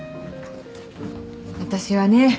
私はね